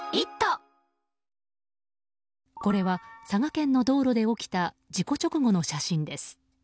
これは佐賀県の道路で起きた事故直後の写真です。